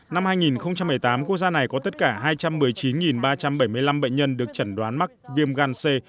năm hai nghìn một mươi tám quốc gia này có tất cả hai trăm một mươi chín ba trăm bảy mươi năm bệnh nhân được chẩn đoán mắc viêm gan c